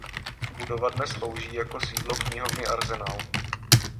Budova dnes slouží jako sídlo knihovny Arsenal.